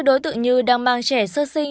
đối tượng như đang mang trẻ sơ sinh